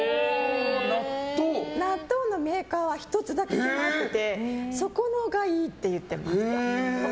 納豆のメーカーは１つだけに決まっててそこのがいいって言ってました。